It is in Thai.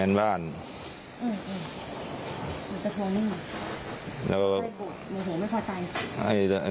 อุ๊ยชาชินมีโหไม่พอใจ